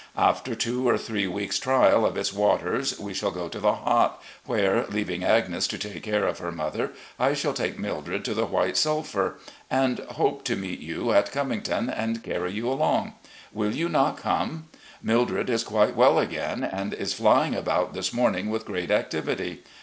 After two or three weeks' trial of its waters we shall go to the Hot, where, leaving Agnes to take care of her mother, I shall take Mildred to the White Sulphur, and hope to meet you at Covington and carry you along. Will you not come? ... Mildred is qtiite well again and is fl3dng about this morning with great activity.